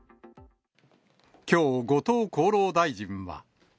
きょう、後藤厚労大臣は。